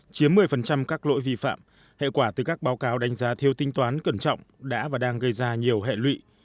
chiếm một mươi các lỗi vi phạm hệ quả từ các báo cáo đánh giá thiêu tinh toán cẩn trọng đã và đang gây ra nhiều hệ lụy